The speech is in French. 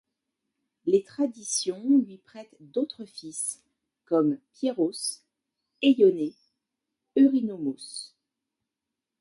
Les traditions lui prêtent d'autres fils comme Piéros, Éionée, Eurynomos.